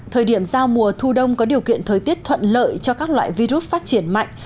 thời điểm giao mùa thu đông có điều kiện thời tiết thuận lợi cho các loại virus phát triển mạnh